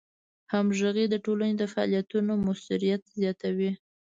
همغږي د ټولنې د فعالیتونو موثریت زیاتوي.